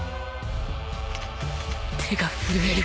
手が震える